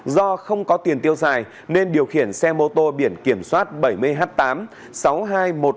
do không có tiền tiêu xài nên điều khiển xe mô tô biển kiểm soát bảy mươi h tám sáu nghìn hai trăm một mươi tám